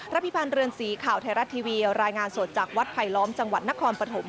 รพเรินศรีข่าวไทรรัตทีวีรายงานสดจากวัดไผล้ล้อมจังหวัดนครปฐม